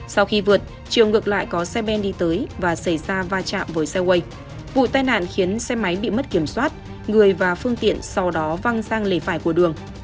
sau khi vượt chiều ngược lại có xe men đi tới và xảy ra va chạm với xe quay vụ tai nạn khiến xe máy bị mất kiểm soát người và phương tiện sau đó văng sang lề phải của đường